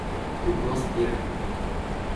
Who Goes There?